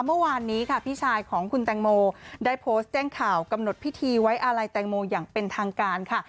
เมื่อวานนี้ค่ะพี่ชายของคุณแตงโมได้โพสต์แจ้งข่าวกำหนดพิธีไว้อาลัยแตงโมอย่างเป็นทางการค่ะ